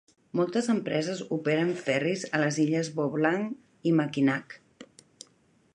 Moltes empreses operen ferris a les illes Bois Blanc i Mackinac.